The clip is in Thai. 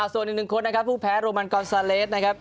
ส่วนอีกหนึ่งคนนะครับผู้แพ้โรมันกอนซาเลสนะครับ